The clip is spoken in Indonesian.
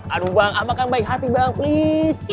aduh bang makan baik hati bang please